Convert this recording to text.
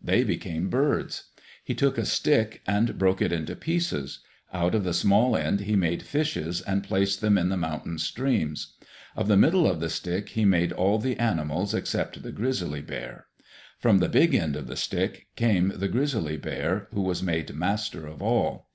They became birds. He took a stick and broke it into pieces. Out of the small end he made fishes and placed them in the mountain streams. Of the middle of the stick, he made all the animals except the grizzly bear. From the big end of the stick came the grizzly bear, who was made master of all.